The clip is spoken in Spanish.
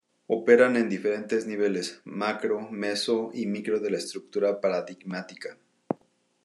Operan en diferentes niveles: macro, meso y micro de la estructura paradigmática.